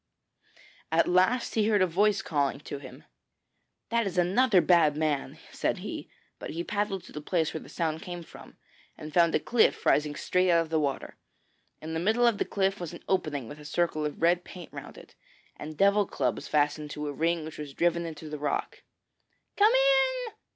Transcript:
At last he heard a voice calling to him. 'That is another bad man,' said he; but he paddled to the place where the sound came from, and found a cliff rising straight out of the water. In the middle of the cliff was an opening with a circle of red paint round it, and devil clubs fastened to a ring which was driven into the rock. 'Come in!